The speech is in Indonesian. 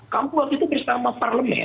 kamu waktu itu bersama parlemen